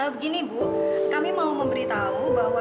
begini bu kami mau memberitahu bahwa